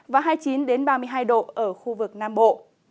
và hai mươi chín ba mươi hai độ ở khu vực nam bộ